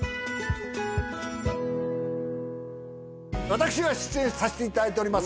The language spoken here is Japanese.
私が出演させていただいております